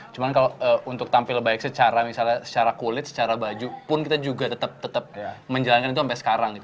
cuman kalau untuk tampil baik secara misalnya secara kulit secara baju pun kita juga tetap menjalankan itu sampai sekarang